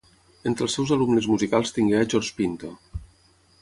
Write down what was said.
Entre els seus alumnes musicals tingué a George Pinto.